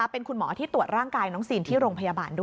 เป็นคุณหมอที่ตรวจร่างกายน้องซีนที่โรงพยาบาลด้วย